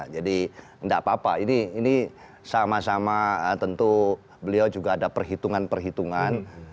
jadi tidak apa apa ini sama sama tentu beliau juga ada perhitungan perhitungan